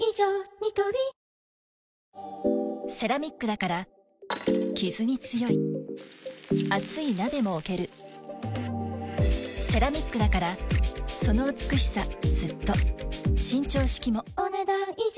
ニトリセラミックだからキズに強い熱い鍋も置けるセラミックだからその美しさずっと伸長式もお、ねだん以上。